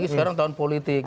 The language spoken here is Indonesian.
sekarang tahun politik